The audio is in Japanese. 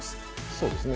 そうですね。